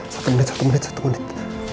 satu menit satu menit satu menit